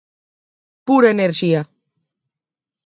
Pura enerxía.